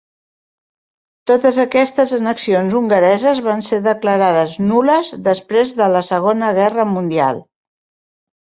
Totes aquestes annexions hongareses van ser declarades nul·les després de la Segona Guerra Mundial.